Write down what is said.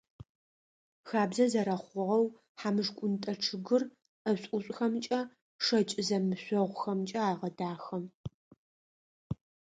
Хабзэ зэрэхъугъэу, хьамышхунтӏэ чъыгыр ӏэшӏу-ӏушӏухэмкӏэ, шэкӏ зэмышъогъухэмкӏэ агъэдахэ.